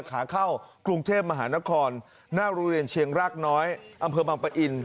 ขาเข้ากรุงเทพมหานครหน้าโรงเรียนเชียงรากน้อยอำเภอบังปะอิน